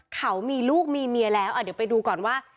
เขามีลูกมีเมียแล้วเดี๋ยวไปดูก่อนว่า